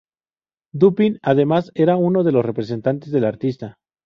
Dupin, además, era una de los representantes del artista.